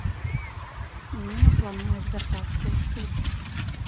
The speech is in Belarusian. Ніна плануе звяртацца ў суд.